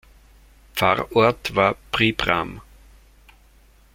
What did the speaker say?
Pfarrort war Přibram.